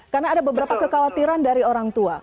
karena ada beberapa kekhawatiran dari orang tua